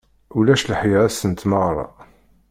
Ulac leḥya ass n tmeɣra.